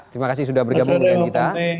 terima kasih sudah bergabung dengan kita